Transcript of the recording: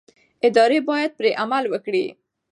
ادارې باید بې پرې عمل وکړي